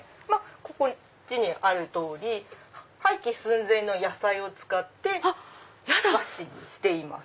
こっちにある通り廃棄寸前の野菜を使って和紙にしています。